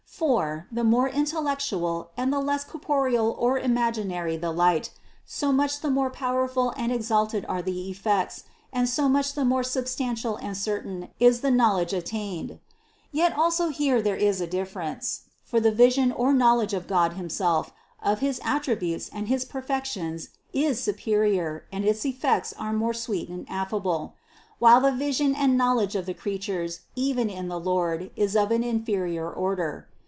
For, the more intellectual and the less corporeal or imaginary the light, so much the more powerful and exalted are the effects, and so much the more substantial and certain is the knowledge attained. Yet also here there is a difference : for the vision or knowledge of God himself, of his attributes and his perfections is superior and its effects are most sweet and affable; while the vision and knowledge of the creatures, even in the Lord, is of an inferior order.